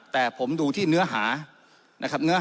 แต่ผมดูที่เนื้อหานะครับ